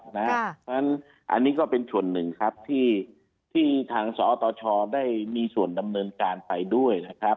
เพราะฉะนั้นอันนี้ก็เป็นส่วนหนึ่งครับที่ทางสตชได้มีส่วนดำเนินการไปด้วยนะครับ